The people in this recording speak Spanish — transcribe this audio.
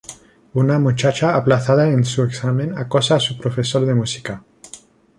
Una muchacha aplazada en su examen acosa a su profesor de música.